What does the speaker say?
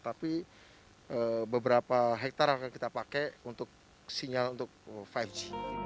tapi beberapa hektare akan kita pakai untuk sinyal untuk lima g